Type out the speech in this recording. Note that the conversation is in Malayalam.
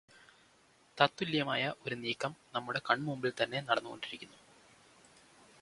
തത്തുല്യമായ ഒരു നീക്കം നമ്മുടെ കൺമുമ്പിൽത്തന്നെ നടന്നുകൊണ്ടിരിക്കുന്നു.